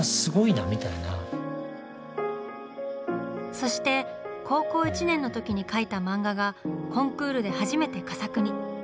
そして高校１年の時に描いた漫画がコンクールで初めて佳作に。